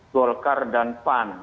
golkar dan pan